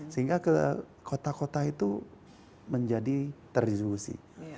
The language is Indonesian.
sehingga ke kota kota itu menjadi terdistribusi